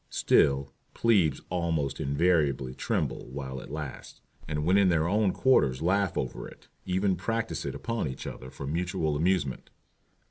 Still "plebes" almost invariably tremble while it lasts, and when in their own quarters laugh over it, and even practise it upon each other for mutual amusement.